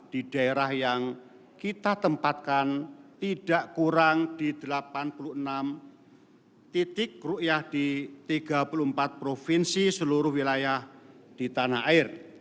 di daerah yang kita tempatkan tidak kurang di delapan puluh enam titik ⁇ ruyah ⁇ di tiga puluh empat provinsi seluruh wilayah di tanah air